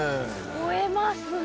越えますね。